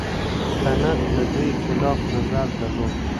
کنت د دوی خلاف نظر درلود.